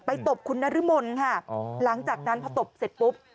ตบคุณนรมนค่ะหลังจากนั้นพอตบเสร็จปุ๊บ